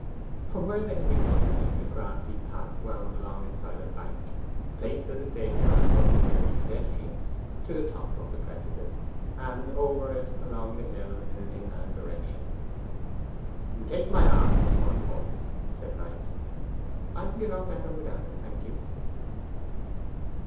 From where they had been loitering, a grassy path wound along inside a bank, placed as a safeguard for unwary pedestrians, to the top of the precipice, and over it along the hill in an inland direction. 'Take my arm, Miss Swancourt,' said Knight. 'I can get on better without it, thank you.